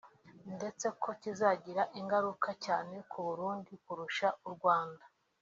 ndetse ko kizagira ingaruka cyane ku Burundi kurusha u Rwanda